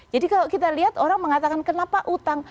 jadi kalau kita lihat orang mengatakan kenapa utang